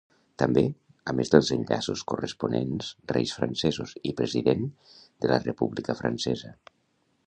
També, a més dels enllaços corresponents, reis francesos i president de la República Francesa.